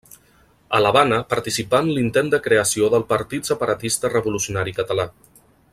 A l'Havana participà en l'intent de creació del Partit Separatista Revolucionari Català.